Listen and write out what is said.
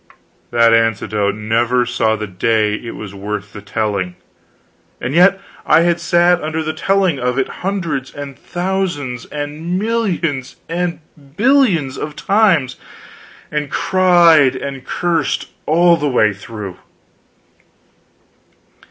That anecdote never saw the day that it was worth the telling; and yet I had sat under the telling of it hundreds and thousands and millions and billions of times, and cried and cursed all the way through.